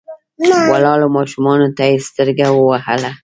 ولاړو ماشومانو ته يې سترګه ووهله.